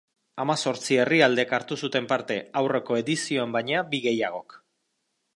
Hamazortzi herrialdek hartu zuten parte, aurreko edizioan baina bi gehiagok.